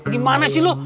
gimana sih lu